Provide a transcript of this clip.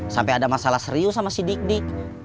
sampai ada masalah serius sama si dik dik